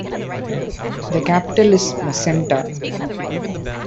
The capital is Macenta.